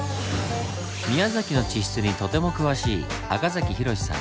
宮崎の地質にとても詳しい赤崎広志さん。